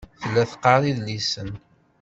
Tella teqqar idlisen.